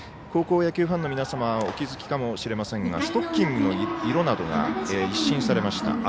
高校野球のファンの皆様はお気づきかもしれませんがストッキングの色などが一新されました。